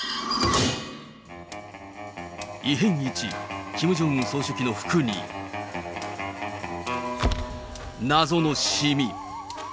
異変１、キム・ジョンウン総書記の服に、謎のしみ。